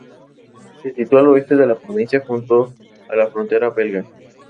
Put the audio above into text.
Se sitúa al oeste de la provincia, junto a la frontera belga.